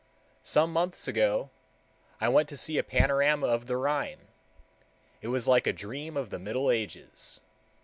Some months ago I went to see a panorama of the Rhine. It was like a dream of the Middle Ages.